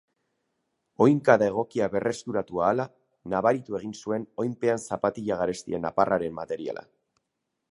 Oinkada egokia berreskuratu ahala nabaritu egin zuen oinpean zapatilla garestien aparraren materiala.